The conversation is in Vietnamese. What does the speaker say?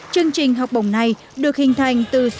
chương trình học bồng này được hình thành từ sự đồng hành